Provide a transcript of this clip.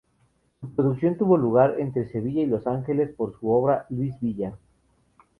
Su producción tuvo lugar entre Sevilla y Los Ángeles, por obra de Luis Villa.